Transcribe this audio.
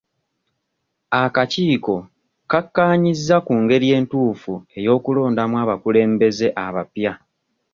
Akakiiko kakaanyizza ku ngeri entuufu ey'okulondamu abakulembeze abapya.